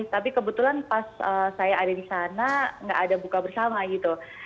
tapi kebetulan pas saya ada di sana nggak ada buka bersama gitu